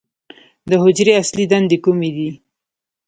د حجرې اصلي دندې کومې دي؟